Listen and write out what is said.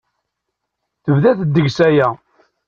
Tebda-t ddeg-s aya.